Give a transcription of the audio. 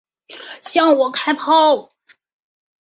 向我开炮！